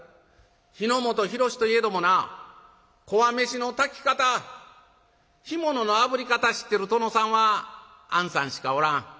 日の本広しといえどもなこわ飯の炊き方干物のあぶり方知ってる殿さんはあんさんしかおらん。